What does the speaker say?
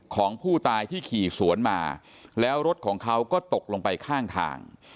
ของผู้ตายที่ขี่สวนมาแล้วรถของเขาก็ตกลงไปข้างทาง